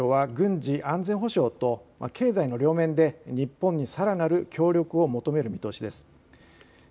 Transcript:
バイデン大統領は軍事安全保障と経済の両面で日本にさらなる協力を求める見通しです。